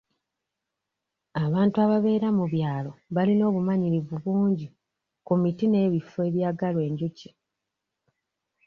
Abantu ababeera mu byalo balina obumanyirivu bungi ku miti n'ebifo ebyagalwa enjuki.